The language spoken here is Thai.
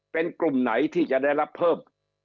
เป็นกลุ่มไหนที่จะได้รับเพิ่ม